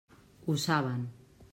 Ho saben.